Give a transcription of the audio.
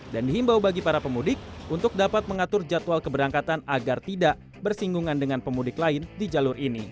dan dihimbau bagi para pemudik untuk dapat mengatur jadwal keberangkatan agar tidak bersinggungan dengan pemudik lain di jalur ini